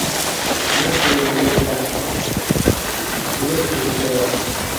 یوݜ وری کعتں یوݜ بُدو پعیا